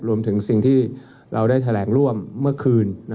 รวมถึงสิ่งที่เราได้แถลงร่วมเมื่อคืน